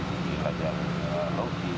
lebih kajang logi